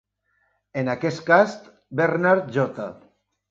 En aquest cas, Bernard J.